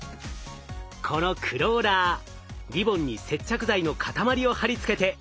このクローラーリボンに接着剤の塊を貼り付けて凸凹を作りました。